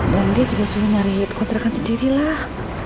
dan dia juga suruh nyari kontrakan sendiri lah